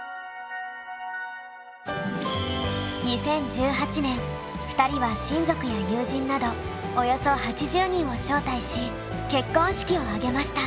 続いて２０１８年２人は親族や友人などおよそ８０人を招待し結婚式を挙げました。